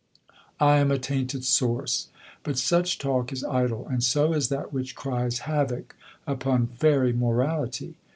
I am a tainted source. But such talk is idle, and so is that which cries havoc upon fairy morality.